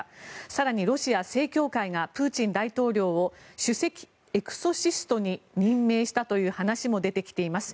更に、ロシア正教会がプーチン大統領を首席エクソシストに任命したという話も出てきています。